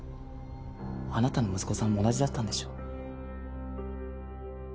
あなたの息子さんも同じだったんでしょう。